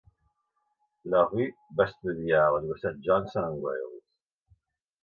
LaRue va estudiar a la Universitat Johnson and Wales.